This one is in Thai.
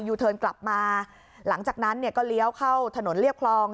เทิร์นกลับมาหลังจากนั้นเนี่ยก็เลี้ยวเข้าถนนเรียบคลอง